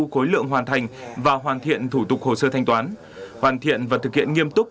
khối lượng hoàn thành và hoàn thiện thủ tục hồ sơ thanh toán hoàn thiện và thực hiện nghiêm túc